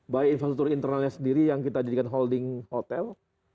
baik infrastruktur internalnya sendiri yang kita jadikan holding hotel